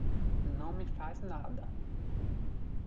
Não me faz nada